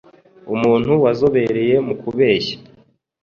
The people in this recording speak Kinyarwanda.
Umuntu wazobereye mu kubeshya